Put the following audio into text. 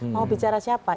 mau bicara siapa